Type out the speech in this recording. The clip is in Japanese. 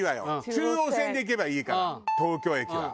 中央線で行けばいいから東京駅は。